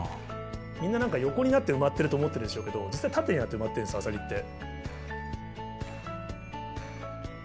みんな何か横になって埋まってると思ってるでしょうけど実は縦になって埋まってるんですアサリって。